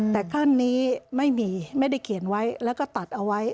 แต่ขั้นนี้ไม่มีไม่ได้เขียนไว้แล้วก็ตัดเอาไว้